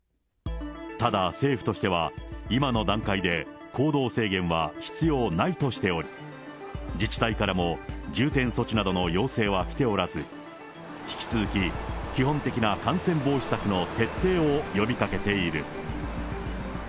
ただ、政府としては今の段階で行動制限は必要ないとしており、自治体からも、重点措置などの要請は来ておらず、引き続き、基本的な感染防止策の徹底を呼びかけている。